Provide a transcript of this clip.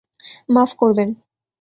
মাফ করবেন।